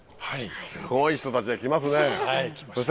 すごい人たちが来ますね。来ました。